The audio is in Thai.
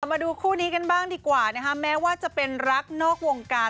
มาดูคู่นี้กันบ้างดีกว่านะคะแม้ว่าจะเป็นรักนอกวงการ